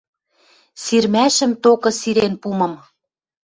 Сирмӓшӹм токы сирен пумым